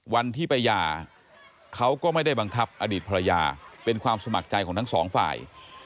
วันที่ไปหย่าเขาก็ไม่ได้บังคับอดีตภรรยาเป็นความสมัครใจของทั้งสองฝ่าย